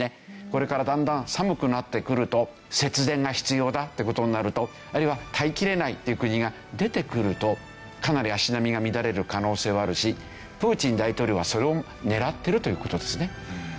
これからだんだん寒くなってくると節電が必要だって事になるとあるいは耐えきれないっていう国が出てくるとかなり足並みが乱れる可能性はあるしプーチン大統領はそれを狙ってるという事ですね。